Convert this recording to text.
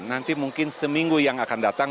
nanti mungkin seminggu yang akan datang